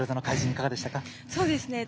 いかがでしたか？